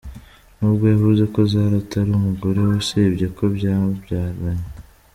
nubwo yavuze ko Zari Atari umugore we usibye ko byabyaranye .